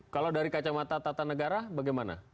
kalau dari kacamata tata negara bagaimana